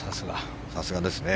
さすがですね。